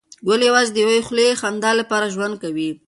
ګل یوازې د یوې خولې خندا لپاره ژوند کوي.